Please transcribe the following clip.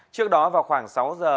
trước đó vào khoảng sáu giờ